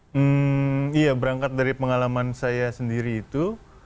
hmm iya berangkat dari pengalaman saya sendiri itu